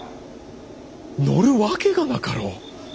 乗るわけがなかろう！